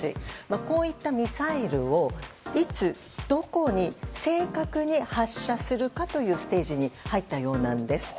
こういったミサイルをいつどこに正確に発射するかというステージに入ったようなんです。